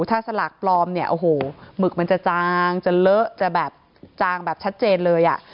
ถ้าสลากปลอมเนี่ยโอ้โหหมึกมันจะจางจะเลอะจะแบบจางแบบชัดเจนเลยอ่ะ